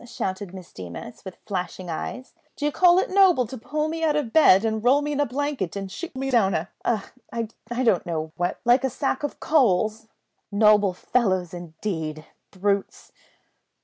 shouted Miss Deemas, with flashing eyes, "d'you call it noble to pull me out of bed, and roll me in a blanket and shoot me down a a I don't know what, like a sack of coals? Noble fellows, indeed! Brutes!"